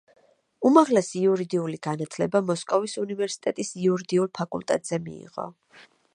უმაღლესი იურიდიული განათლება მოსკოვის უნივერსიტეტის იურიდიულ ფაკულტეტზე მიიღო.